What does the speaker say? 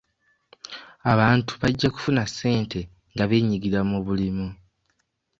Abantu bajja kufuna ssente nga beenyigira mu bulimu.